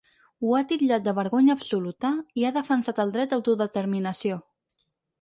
Ho ha titllat de ‘vergonya absoluta’ i ha defensat el dret d’autodeterminació.